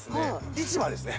市場ですね。